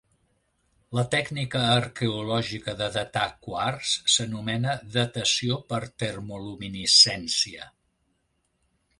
La tècnica arqueològica de datar quars s'anomena datació per termoluminescència.